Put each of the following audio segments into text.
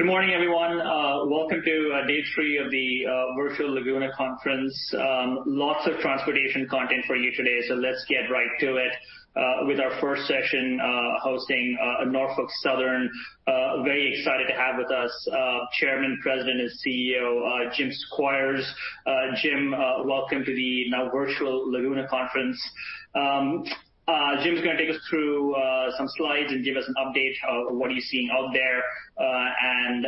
Good morning, everyone. Welcome to day three of the virtual Laguna Conference. Lots of transportation content for you today, so let's get right to it with our first session hosting Norfolk Southern. Very excited to have with us Chairman, President, and CEO Jim Squires. Jim, welcome to the now Virtual Laguna Conference. Jim's going to take us through some slides and give us an update of what he's seeing out there, and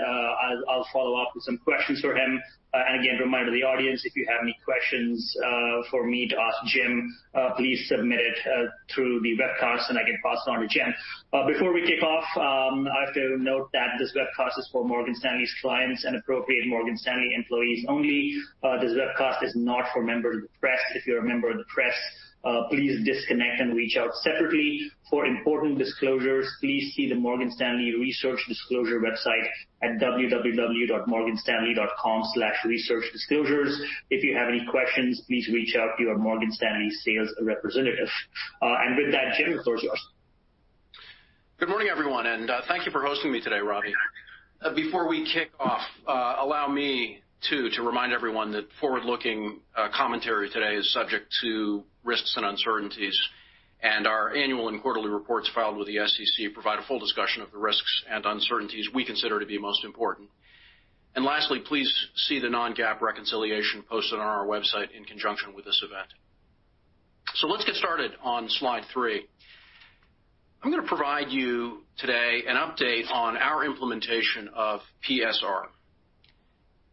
I'll follow up with some questions for him. Again, a reminder to the audience, if you have any questions for me to ask Jim, please submit it through the webcast, and I can pass it on to Jim. Before we kick off, I have to note that this webcast is for Morgan Stanley's clients and appropriate Morgan Stanley employees only. This webcast is not for members of the press. If you're a member of the press, please disconnect and reach out separately. For important disclosures, please see the Morgan Stanley Research Disclosure website at www.morganstanley.com/researchdisclosures. If you have any questions, please reach out to your Morgan Stanley sales representative. Jim, the floor is yours. Good morning, everyone, and thank you for hosting me today, Ravi. Before we kick off, allow me to remind everyone that forward-looking commentary today is subject to risks and uncertainties, and our annual and quarterly reports filed with the SEC provide a full discussion of the risks and uncertainties we consider to be most important. Lastly, please see the non-GAAP reconciliation posted on our website in conjunction with this event. Let's get started on slide three. I'm going to provide you today an update on our implementation of PSR.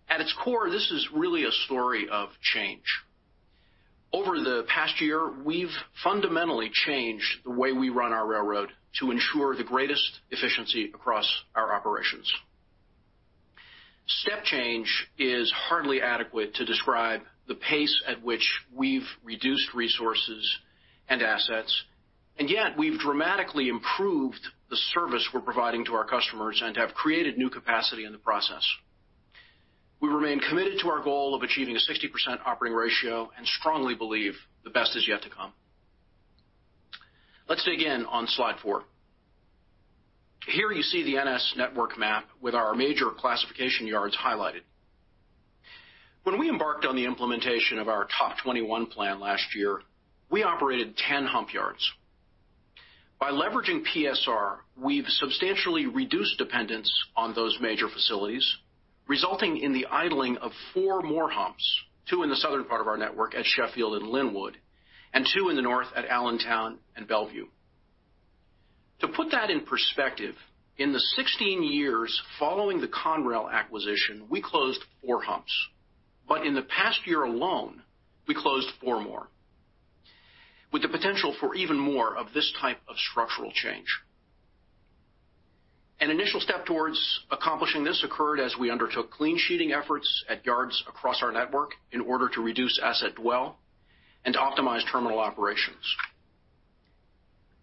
At its core, this is really a story of change. Over the past year, we've fundamentally changed the way we run our railroad to ensure the greatest efficiency across our operations. Step change is hardly adequate to describe the pace at which we've reduced resources and assets, and yet we've dramatically improved the service we're providing to our customers and have created new capacity in the process. We remain committed to our goal of achieving a 60% operating ratio and strongly believe the best is yet to come. Let's dig in on slide four. Here you see the NS network map with our major classification yards highlighted. When we embarked on the implementation of our Top 21 plan last year, we operated 10 hump yards. By leveraging PSR, we've substantially reduced dependence on those major facilities, resulting in the idling of four more humps, two in the southern part of our network at Sheffield and Linwood, and two in the north at Allentown and Bellevue. To put that in perspective, in the 16 years following the Conrail acquisition, we closed four humps, but in the past year alone, we closed four more, with the potential for even more of this type of structural change. An initial step towards accomplishing this occurred as we undertook clean sheeting efforts at yards across our network in order to reduce asset dwell and optimize terminal operations.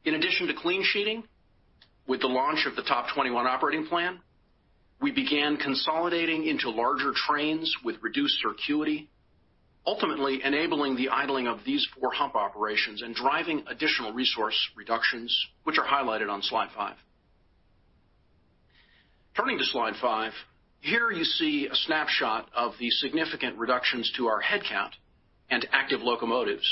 In addition to clean sheeting, with the launch of the Top 21 operating plan, we began consolidating into larger trains with reduced circuity, ultimately enabling the idling of these four hump operations and driving additional resource reductions, which are highlighted on slide five. Turning to slide five, here you see a snapshot of the significant reductions to our headcount and active locomotives,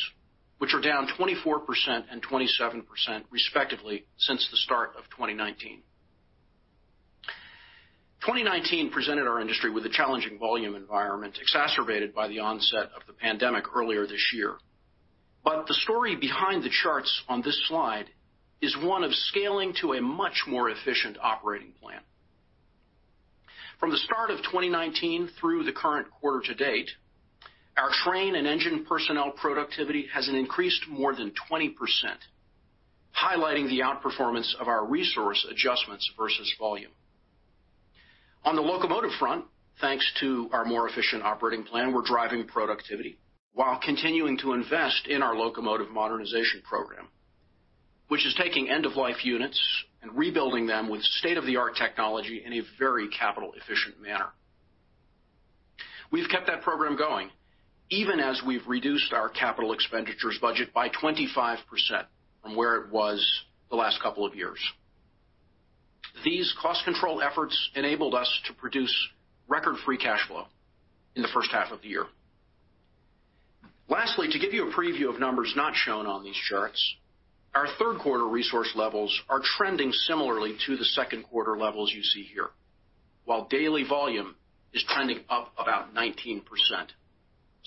which are down 24% and 27% respectively since the start of 2019. 2019 presented our industry with a challenging volume environment exacerbated by the onset of the pandemic earlier this year, but the story behind the charts on this slide is one of scaling to a much more efficient operating plan. From the start of 2019 through the current quarter to date, our train and engine personnel productivity has increased more than 20%, highlighting the outperformance of our resource adjustments versus volume. On the locomotive front, thanks to our more efficient operating plan, we're driving productivity while continuing to invest in our locomotive modernization program, which is taking end-of-life units and rebuilding them with state-of-the-art technology in a very capital-efficient manner. We've kept that program going even as we've reduced our capital expenditures budget by 25% from where it was the last couple of years. These cost control efforts enabled us to produce record free cash flow in the first half of the year. Lastly, to give you a preview of numbers not shown on these charts, our third quarter resource levels are trending similarly to the second quarter levels you see here, while daily volume is trending up about 19%.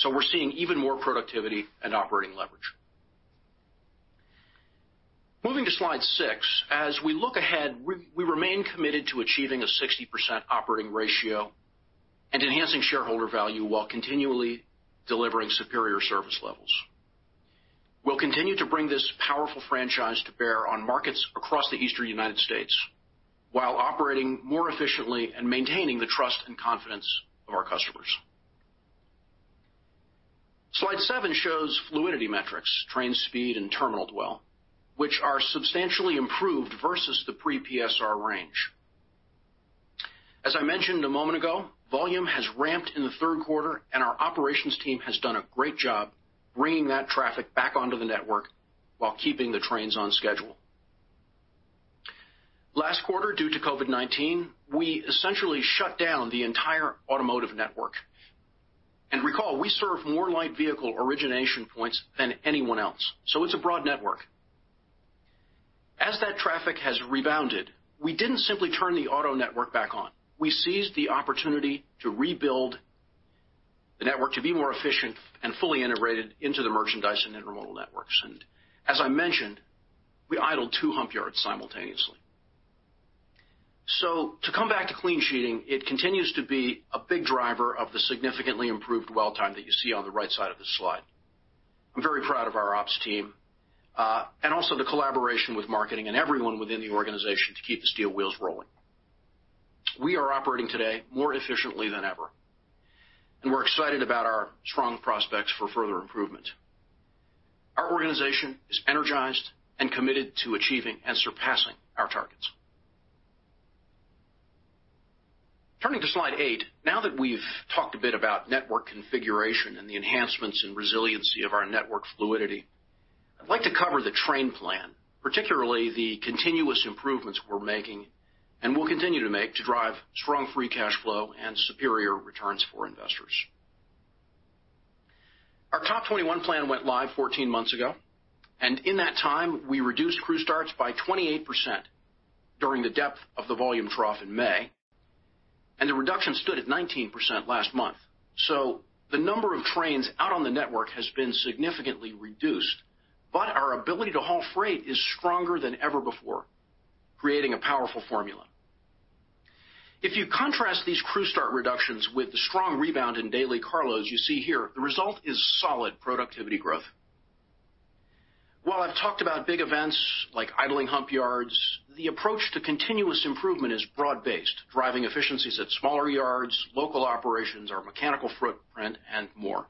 We are seeing even more productivity and operating leverage. Moving to slide six, as we look ahead, we remain committed to achieving a 60% operating ratio and enhancing shareholder value while continually delivering superior service levels. We will continue to bring this powerful franchise to bear on markets across the Eastern United States while operating more efficiently and maintaining the trust and confidence of our customers. Slide seven shows fluidity metrics, train speed, and terminal dwell, which are substantially improved versus the pre-PSR range. As I mentioned a moment ago, volume has ramped in the third quarter, and our operations team has done a great job bringing that traffic back onto the network while keeping the trains on schedule. Last quarter, due to COVID-19, we essentially shut down the entire automotive network. And recall, we serve more light vehicle origination points than anyone else, so it's a broad network. As that traffic has rebounded, we didn't simply turn the auto network back on. We seized the opportunity to rebuild the network to be more efficient and fully integrated into the merchandise and intermodal networks. As I mentioned, we idled two hump yards simultaneously. To come back to clean sheeting, it continues to be a big driver of the significantly improved dwell time that you see on the right side of the slide. I'm very proud of our ops team and also the collaboration with marketing and everyone within the organization to keep the steel wheels rolling. We are operating today more efficiently than ever, and we're excited about our strong prospects for further improvement. Our organization is energized and committed to achieving and surpassing our targets. Turning to slide eight, now that we've talked a bit about network configuration and the enhancements in resiliency of our network fluidity, I'd like to cover the train plan, particularly the continuous improvements we're making and will continue to make to drive strong free cash flow and superior returns for investors. Our Top 21 plan went live 14 months ago, and in that time, we reduced crew starts by 28% during the depth of the volume trough in May, and the reduction stood at 19% last month. The number of trains out on the network has been significantly reduced, but our ability to haul freight is stronger than ever before, creating a powerful formula. If you contrast these crew start reductions with the strong rebound in daily carloads you see here, the result is solid productivity growth. While I've talked about big events like idling hump yards, the approach to continuous improvement is broad-based, driving efficiencies at smaller yards, local operations, our mechanical footprint, and more.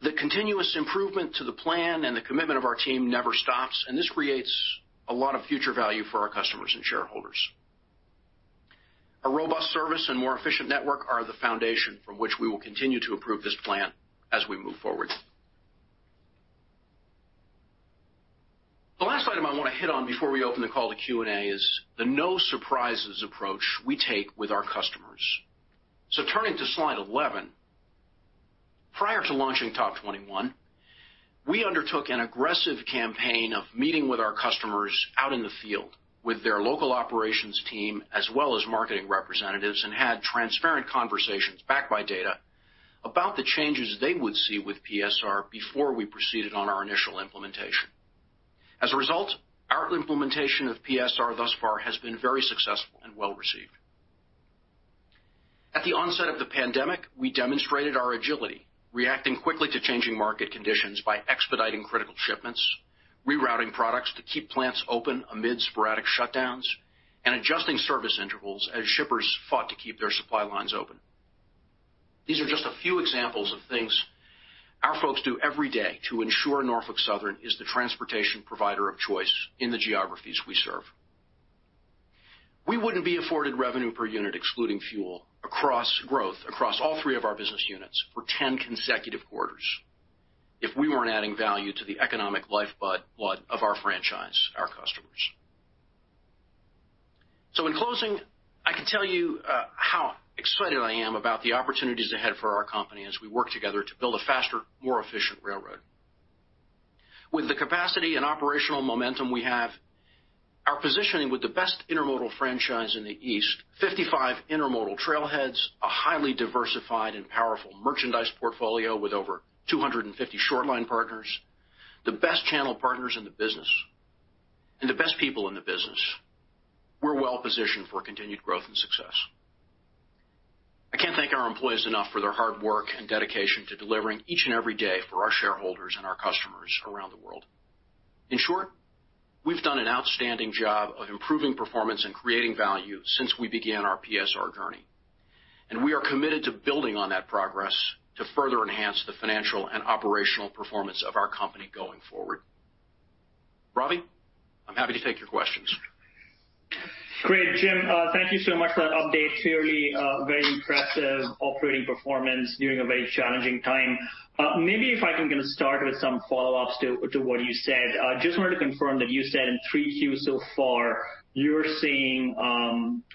The continuous improvement to the plan and the commitment of our team never stops, and this creates a lot of future value for our customers and shareholders. A robust service and more efficient network are the foundation from which we will continue to improve this plan as we move forward. The last item I want to hit on before we open the call to Q&A is the no-surprises approach we take with our customers. Turning to slide 11, prior to launching Top 21, we undertook an aggressive campaign of meeting with our customers out in the field with their local operations team as well as marketing representatives and had transparent conversations backed by data about the changes they would see with PSR before we proceeded on our initial implementation. As a result, our implementation of PSR thus far has been very successful and well received. At the onset of the pandemic, we demonstrated our agility, reacting quickly to changing market conditions by expediting critical shipments, rerouting products to keep plants open amid sporadic shutdowns, and adjusting service intervals as shippers fought to keep their supply lines open. These are just a few examples of things our folks do every day to ensure Norfolk Southern is the transportation provider of choice in the geographies we serve. We would not be afforded revenue per unit, excluding fuel, across growth across all three of our business units for 10 consecutive quarters if we were not adding value to the economic lifeblood of our franchise, our customers. In closing, I can tell you how excited I am about the opportunities ahead for our company as we work together to build a faster, more efficient railroad. With the capacity and operational momentum we have, our positioning with the best intermodal franchise in the East, 55 intermodal trailheads, a highly diversified and powerful merchandise portfolio with over 250 short-line partners, the best channel partners in the business, and the best people in the business. We are well positioned for continued growth and success. I can't thank our employees enough for their hard work and dedication to delivering each and every day for our shareholders and our customers around the world. In short, we've done an outstanding job of improving performance and creating value since we began our PSR journey, and we are committed to building on that progress to further enhance the financial and operational performance of our company going forward. Ravi, I'm happy to take your questions. Great. Jim, thank you so much for that update. Clearly, very impressive operating performance during a very challenging time. Maybe if I can start with some follow-ups to what you said, I just wanted to confirm that you said in 3Q so far, you're seeing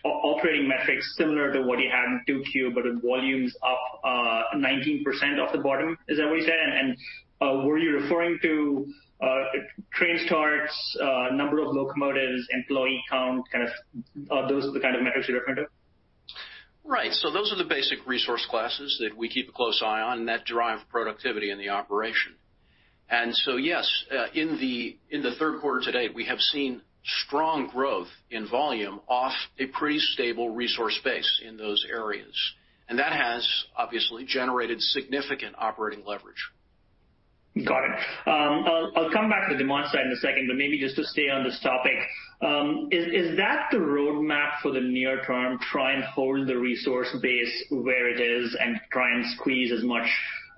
operating metrics similar to what you had in 2Q, but with volumes up 19% off the bottom. Is that what you said? Were you referring to train starts, number of locomotives, employee count, kind of those are the kind of metrics you're referring to? Right. Those are the basic resource classes that we keep a close eye on that drive productivity in the operation. Yes, in the third quarter to date, we have seen strong growth in volume off a pretty stable resource base in those areas, and that has obviously generated significant operating leverage. Got it. I'll come back to the demand side in a second, but maybe just to stay on this topic, is that the roadmap for the near term? Try and hold the resource base where it is and try and squeeze as much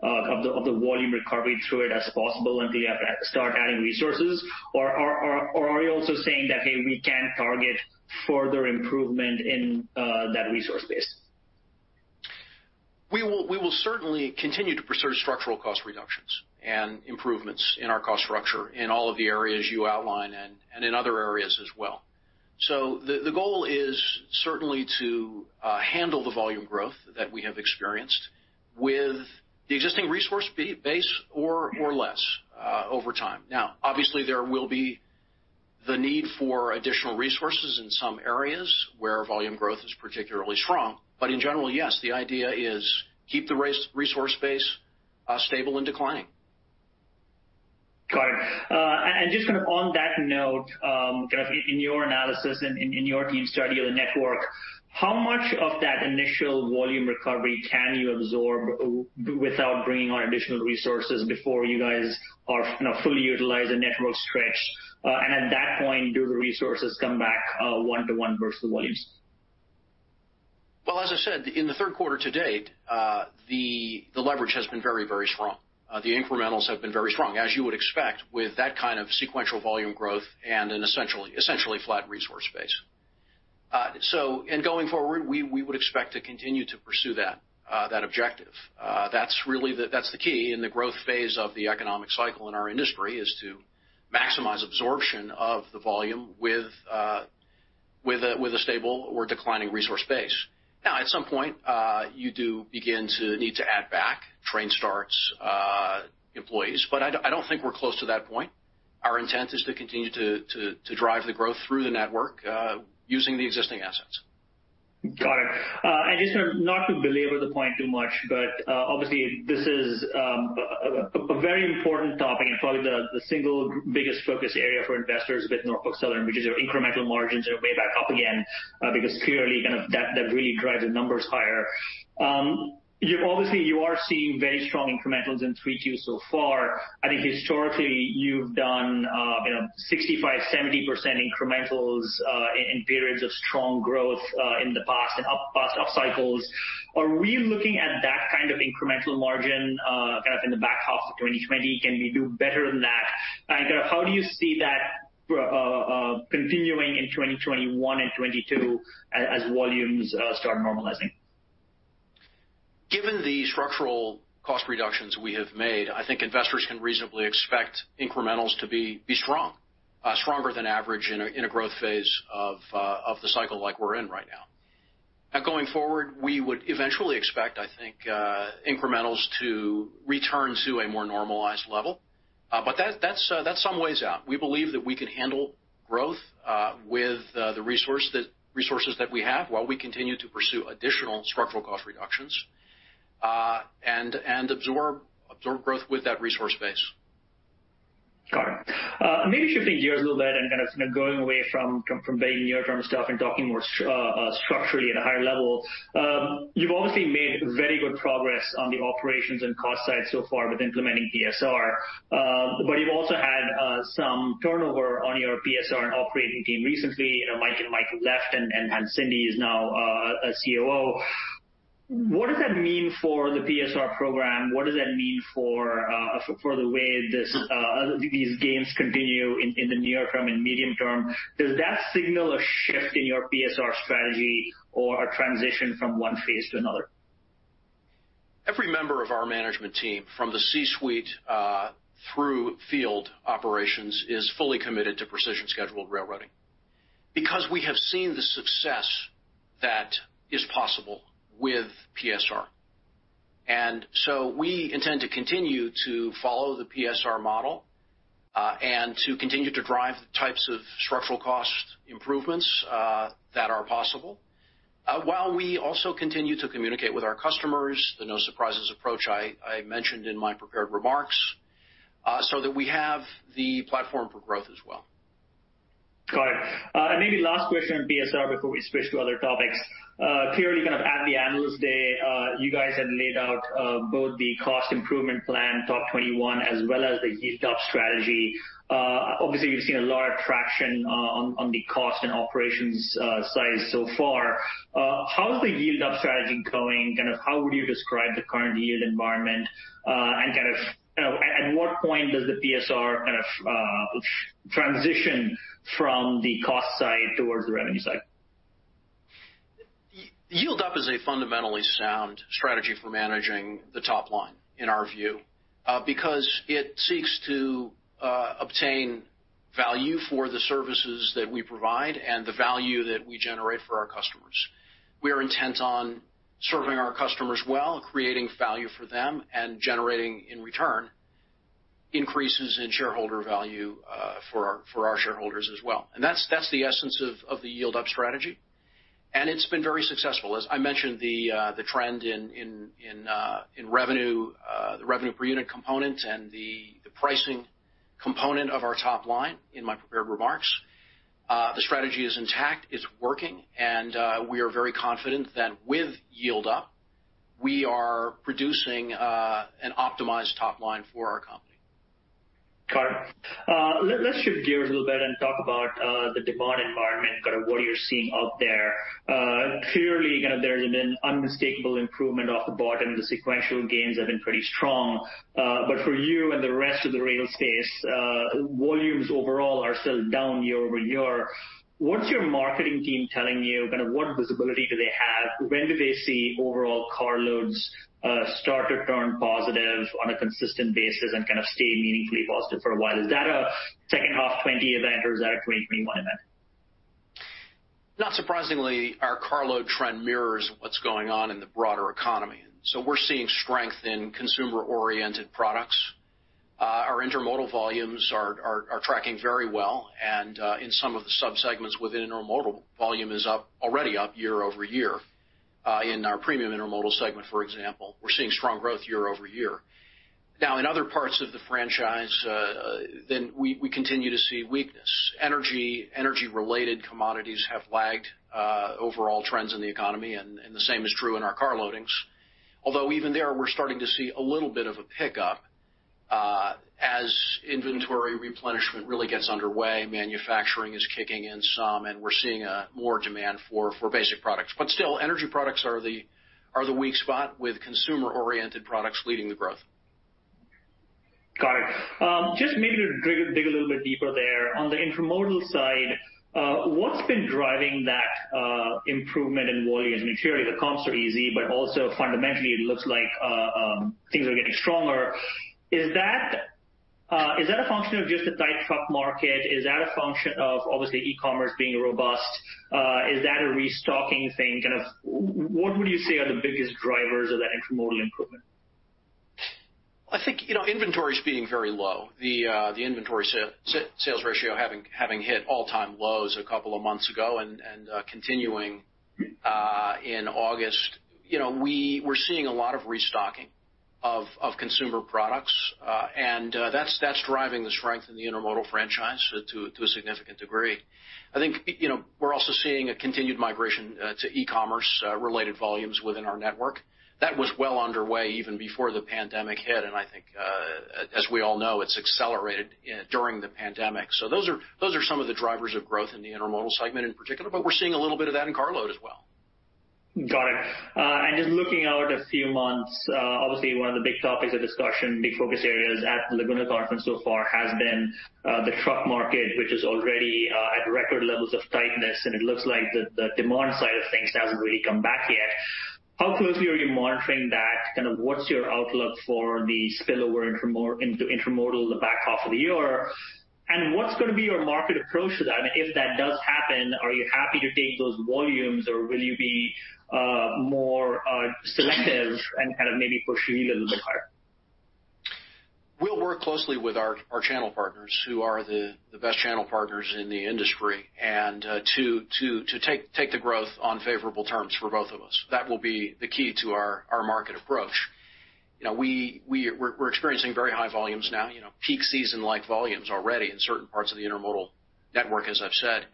of the volume recovery through it as possible until you have to start adding resources? Or are you also saying that, hey, we can target further improvement in that resource base? We will certainly continue to pursue structural cost reductions and improvements in our cost structure in all of the areas you outlined and in other areas as well. The goal is certainly to handle the volume growth that we have experienced with the existing resource base or less over time. Now, obviously, there will be the need for additional resources in some areas where volume growth is particularly strong, but in general, yes, the idea is keep the resource base stable and declining. Got it. Just kind of on that note, kind of in your analysis and in your team's study of the network, how much of that initial volume recovery can you absorb without bringing on additional resources before you guys are fully utilized and network stretched? At that point, do the resources come back one-to-one versus the volumes? As I said, in the third quarter to date, the leverage has been very, very strong. The incrementals have been very strong, as you would expect with that kind of sequential volume growth and an essentially flat resource base. In going forward, we would expect to continue to pursue that objective. That is really the key in the growth phase of the economic cycle in our industry, to maximize absorption of the volume with a stable or declining resource base. At some point, you do begin to need to add back train starts, employees, but I do not think we are close to that point. Our intent is to continue to drive the growth through the network using the existing assets. Got it. Just not to belabor the point too much, but obviously, this is a very important topic and probably the single biggest focus area for investors with Norfolk Southern, which is your incremental margins and way back up again because clearly kind of that really drives the numbers higher. Obviously, you are seeing very strong incrementals in 3Q so far. I think historically, you've done 65%, 70% incrementals in periods of strong growth in the past and up cycles. Are we looking at that kind of incremental margin kind of in the back half of 2020? Can we do better than that? How do you see that continuing in 2021 and 2022 as volumes start normalizing? Given the structural cost reductions we have made, I think investors can reasonably expect incrementals to be stronger than average in a growth phase of the cycle like we're in right now. Now, going forward, we would eventually expect, I think, incrementals to return to a more normalized level, but that's some ways out. We believe that we can handle growth with the resources that we have while we continue to pursue additional structural cost reductions and absorb growth with that resource base. Got it. Maybe shifting gears a little bit and kind of going away from big near-term stuff and talking more structurally at a higher level, you've obviously made very good progress on the operations and cost side so far with implementing PSR, but you've also had some turnover on your PSR and operating team recently. Mike left and Cindy is now a COO. What does that mean for the PSR program? What does that mean for the way these gains continue in the near-term and medium-term? Does that signal a shift in your PSR strategy or a transition from one phase to another? Every member of our management team from the C-suite through field operations is fully committed to precision scheduled railroading because we have seen the success that is possible with PSR. We intend to continue to follow the PSR model and to continue to drive the types of structural cost improvements that are possible while we also continue to communicate with our customers, the no-surprises approach I mentioned in my prepared remarks, so that we have the platform for growth as well. Got it. Maybe last question on PSR before we switch to other topics. Clearly, kind of at the Analyst Day, you guys had laid out both the cost improvement plan, Top 21, as well as the yield-up strategy. Obviously, we've seen a lot of traction on the cost and operations side so far. How's the yield-up strategy going? Kind of how would you describe the current yield environment? At what point does the PSR kind of transition from the cost side towards the revenue side? Yield-up is a fundamentally sound strategy for managing the top line in our view because it seeks to obtain value for the services that we provide and the value that we generate for our customers. We are intent on serving our customers well, creating value for them, and generating in return increases in shareholder value for our shareholders as well. That is the essence of the yield-up strategy, and it has been very successful. As I mentioned, the trend in revenue, the revenue per unit component, and the pricing component of our top line in my prepared remarks, the strategy is intact. It is working, and we are very confident that with yield-up, we are producing an optimized top line for our company. Got it. Let's shift gears a little bit and talk about the demand environment, kind of what you're seeing out there. Clearly, kind of there's been unmistakable improvement off the bottom. The sequential gains have been pretty strong, but for you and the rest of the rail space, volumes overall are still down year-over-year. What's your marketing team telling you? Kind of what visibility do they have? When do they see overall carloads start to turn positive on a consistent basis and kind of stay meaningfully positive for a while? Is that a second half 2020 event, or is that a 2021 event? Not surprisingly, our carload trend mirrors what's going on in the broader economy. We are seeing strength in consumer-oriented products. Our intermodal volumes are tracking very well, and in some of the subsegments within intermodal, volume is already up year-over-year. In our premium intermodal segment, for example, we are seeing strong growth year-over-year. In other parts of the franchise, we continue to see weakness. Energy-related commodities have lagged overall trends in the economy, and the same is true in our car loadings. Although even there, we are starting to see a little bit of a pickup as inventory replenishment really gets underway. Manufacturing is kicking in some, and we are seeing more demand for basic products. Still, energy products are the weak spot with consumer-oriented products leading the growth. Got it. Just maybe to dig a little bit deeper there. On the intermodal side, what's been driving that improvement in volumes? I mean, clearly, the comps are easy, but also fundamentally, it looks like things are getting stronger. Is that a function of just the tight truck market? Is that a function of obviously e-commerce being robust? Is that a restocking thing? Kind of what would you say are the biggest drivers of that intermodal improvement? I think inventory is being very low. The inventory sales ratio having hit all-time lows a couple of months ago and continuing in August, we're seeing a lot of restocking of consumer products, and that's driving the strength in the intermodal franchise to a significant degree. I think we're also seeing a continued migration to e-commerce-related volumes within our network. That was well underway even before the pandemic hit, and I think, as we all know, it's accelerated during the pandemic. Those are some of the drivers of growth in the intermodal segment in particular, but we're seeing a little bit of that in carload as well. Got it. Just looking out a few months, obviously, one of the big topics of discussion, big focus areas at the Laguna Conference so far has been the truck market, which is already at record levels of tightness, and it looks like the demand side of things hasn't really come back yet. How closely are you monitoring that? Kind of what's your outlook for the spillover into intermodal in the back half of the year? What's going to be your market approach to that? If that does happen, are you happy to take those volumes, or will you be more selective and kind of maybe push you a little bit higher? We'll work closely with our channel partners who are the best channel partners in the industry to take the growth on favorable terms for both of us. That will be the key to our market approach. We're experiencing very high volumes now, peak season-like volumes already in certain parts of the intermodal network, as I've said.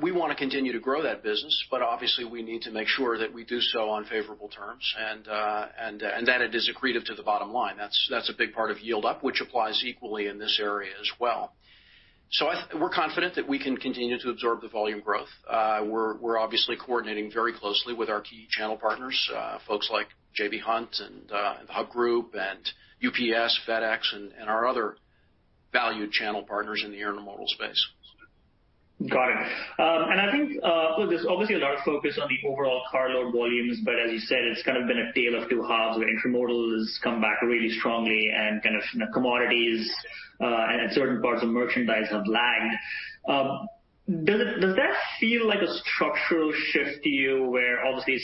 We want to continue to grow that business, but obviously, we need to make sure that we do so on favorable terms and that it is accretive to the bottom line. That's a big part of yield-up, which applies equally in this area as well. We're confident that we can continue to absorb the volume growth. We're obviously coordinating very closely with our key channel partners, folks like J.B. Hunt and the Hub Group and UPS, FedEx, and our other valued channel partners in the intermodal space. Got it. I think there's obviously a lot of focus on the overall carload volumes, but as you said, it's kind of been a tale of two halves, where intermodal has come back really strongly and kind of commodities and certain parts of merchandise have lagged. Does that feel like a structural shift to you where obviously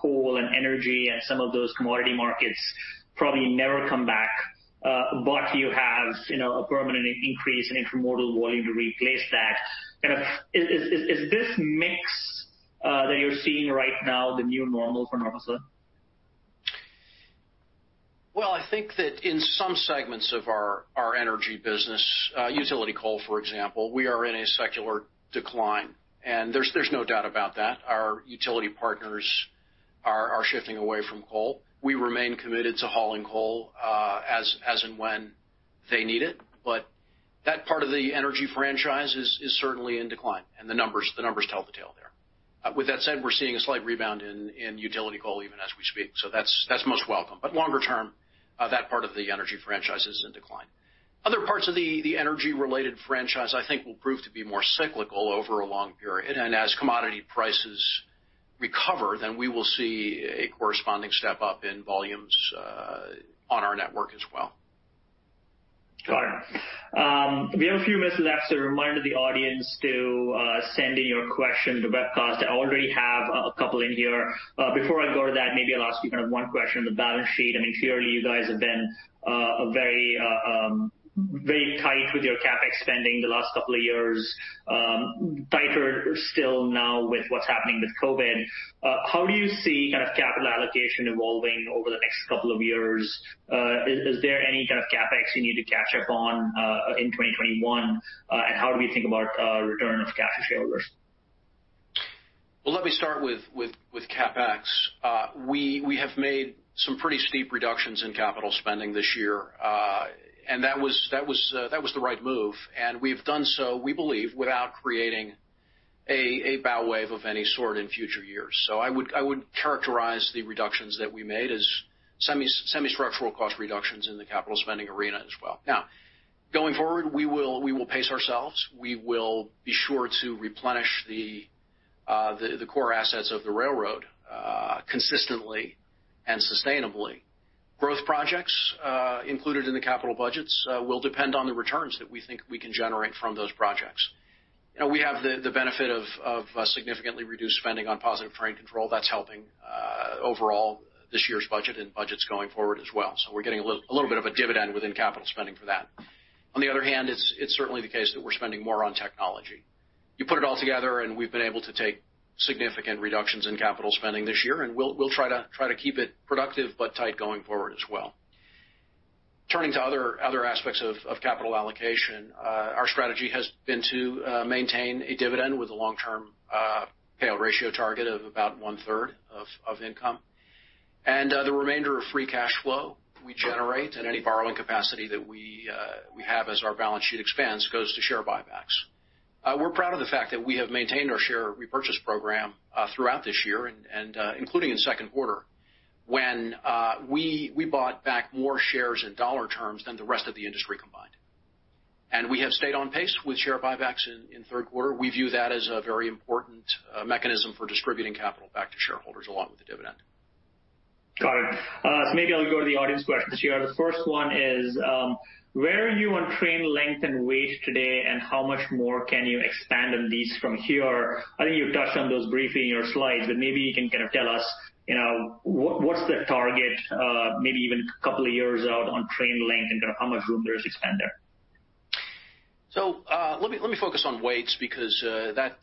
coal and energy and some of those commodity markets probably never come back, but you have a permanent increase in intermodal volume to replace that? Kind of is this mix that you're seeing right now the new normal for Norfolk Southern? I think that in some segments of our energy business, utility coal, for example, we are in a secular decline, and there's no doubt about that. Our utility partners are shifting away from coal. We remain committed to hauling coal as and when they need it, but that part of the energy franchise is certainly in decline, and the numbers tell the tale there. With that said, we're seeing a slight rebound in utility coal even as we speak. That is most welcome. Longer term, that part of the energy franchise is in decline. Other parts of the energy-related franchise, I think, will prove to be more cyclical over a long period. As commodity prices recover, then we will see a corresponding step up in volumes on our network as well. Got it. We have a few minutes left. A reminder to the audience to send in your question to webcast. I already have a couple in here. Before I go to that, maybe I'll ask you kind of one question on the balance sheet. I mean, clearly, you guys have been very tight with your CapEx spending the last couple of years, tighter still now with what's happening with COVID. How do you see kind of capital allocation evolving over the next couple of years? Is there any kind of CapEx you need to catch up on in 2021? How do we think about return of cash to shareholders? Let me start with CapEx. We have made some pretty steep reductions in capital spending this year, and that was the right move. We have done so, we believe, without creating a bow wave of any sort in future years. I would characterize the reductions that we made as semi-structural cost reductions in the capital spending arena as well. Now, going forward, we will pace ourselves. We will be sure to replenish the core assets of the railroad consistently and sustainably. Growth projects included in the capital budgets will depend on the returns that we think we can generate from those projects. We have the benefit of significantly reduced spending on positive train control. That is helping overall this year's budget and budgets going forward as well. We are getting a little bit of a dividend within capital spending for that. On the other hand, it's certainly the case that we're spending more on technology. You put it all together, and we've been able to take significant reductions in capital spending this year, and we'll try to keep it productive but tight going forward as well. Turning to other aspects of capital allocation, our strategy has been to maintain a dividend with a long-term payout ratio target of about 1/3 of income. The remainder of free cash flow we generate and any borrowing capacity that we have as our balance sheet expands goes to share buybacks. We're proud of the fact that we have maintained our share repurchase program throughout this year, including in second quarter, when we bought back more shares in dollar terms than the rest of the industry combined. We have stayed on pace with share buybacks in third quarter. We view that as a very important mechanism for distributing capital back to shareholders along with the dividend. Got it. Maybe I'll go to the audience questions here. The first one is, where are you on train length and weight today, and how much more can you expand on these from here? I think you touched on those briefly in your slides, but maybe you can kind of tell us what's the target, maybe even a couple of years out on train length and kind of how much room there is to expand there? Let me focus on weights because that's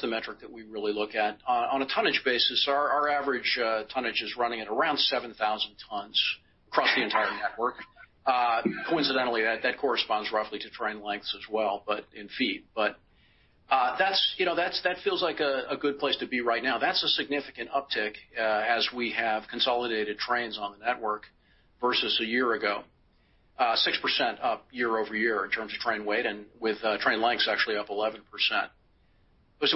the metric that we really look at. On a tonnage basis, our average tonnage is running at around 7,000 tons across the entire network. Coincidentally, that corresponds roughly to train lengths as well, but in feet. That feels like a good place to be right now. That's a significant uptick as we have consolidated trains on the network versus a year ago, 6% up year-over-year in terms of train weight and with train lengths actually up 11%.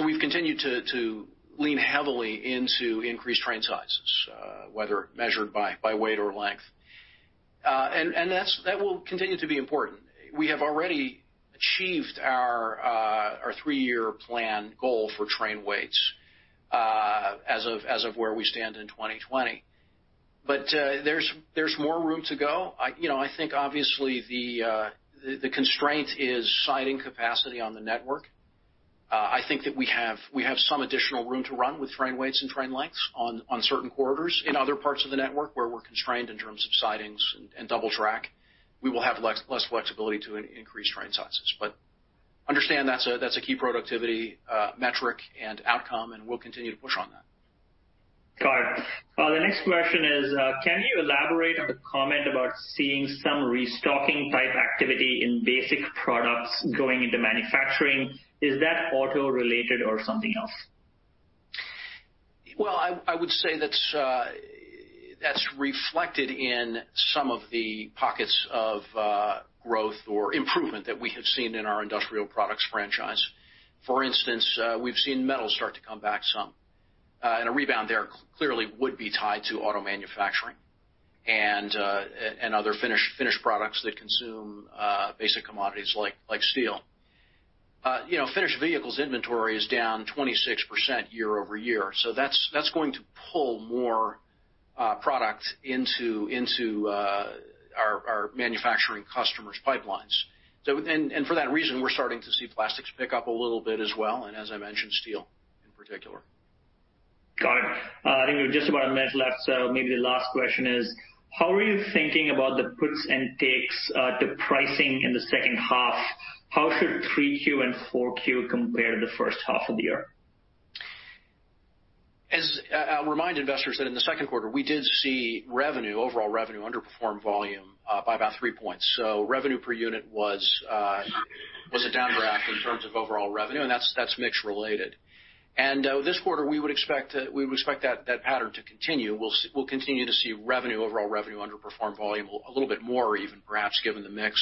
We have continued to lean heavily into increased train sizes, whether measured by weight or length. That will continue to be important. We have already achieved our three-year plan goal for train weights as of where we stand in 2020. There's more room to go. I think, obviously, the constraint is siding capacity on the network. I think that we have some additional room to run with train weights and train lengths on certain corridors. In other parts of the network where we're constrained in terms of sidings and double track, we will have less flexibility to increase train sizes. Understand that's a key productivity metric and outcome, and we'll continue to push on that. Got it. The next question is, can you elaborate on the comment about seeing some restocking type activity in basic products going into manufacturing? Is that auto-related or something else? I would say that's reflected in some of the pockets of growth or improvement that we have seen in our industrial products franchise. For instance, we've seen metals start to come back some. A rebound there clearly would be tied to auto manufacturing and other finished products that consume basic commodities like steel. Finished vehicles inventory is down 26% year-over-year. That's going to pull more product into our manufacturing customers' pipelines. For that reason, we're starting to see plastics pick up a little bit as well, and as I mentioned, steel in particular. Got it. I think we have just about a minute left. Maybe the last question is, how are you thinking about the puts and takes to pricing in the second half? How should 3Q and 4Q compare to the first half of the year? As I remind investors that in the second quarter, we did see revenue, overall revenue underperform volume by about three points. Revenue per unit was a downdraft in terms of overall revenue, and that's mix-related. This quarter, we would expect that pattern to continue. We will continue to see revenue, overall revenue underperform volume a little bit more even, perhaps, given the mix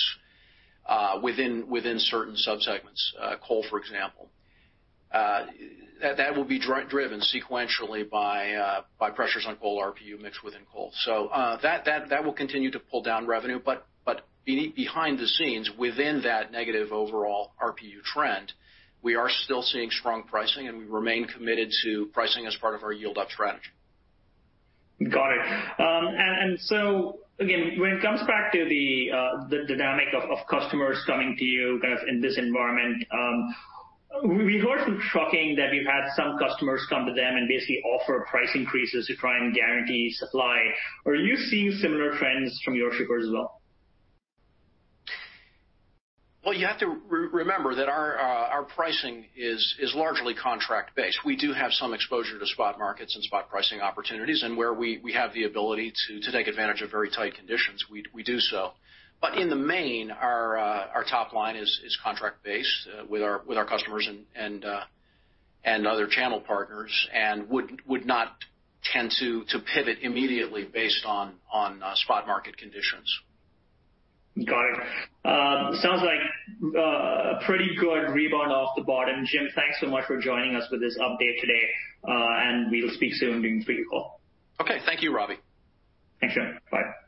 within certain subsegments, coal, for example. That will be driven sequentially by pressures on coal RPU, mix within coal. That will continue to pull down revenue. Behind the scenes, within that negative overall RPU trend, we are still seeing strong pricing, and we remain committed to pricing as part of our yield-up strategy. Got it. When it comes back to the dynamic of customers coming to you kind of in this environment, we heard from trucking that you've had some customers come to them and basically offer price increases to try and guarantee supply. Are you seeing similar trends from your shippers as well? You have to remember that our pricing is largely contract-based. We do have some exposure to spot markets and spot pricing opportunities, and where we have the ability to take advantage of very tight conditions, we do so. In the main, our top line is contract-based with our customers and other channel partners and would not tend to pivot immediately based on spot market conditions. Got it. Sounds like a pretty good rebound off the bottom. Jim, thanks so much for joining us with this update today, and we'll speak soon during the 3Q call. Okay. Thank you, Ravi. Thanks, Jim. Bye.